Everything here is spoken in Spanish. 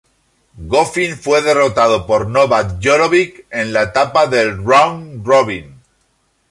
Goffin fue derrotado por Novak Djokovic en la etapa del round-robin.